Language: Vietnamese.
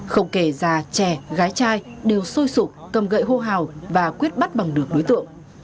không kể già trẻ gái trai đều xôi sụp cầm gậy hô hào và quyết bắt bằng được đối tượng